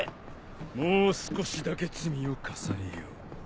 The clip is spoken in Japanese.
もう少しだけ罪を重ねよう。